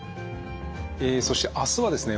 えそして明日はですね